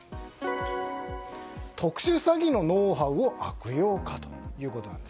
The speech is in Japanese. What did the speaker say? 特殊詐欺のノウハウを悪用かということです。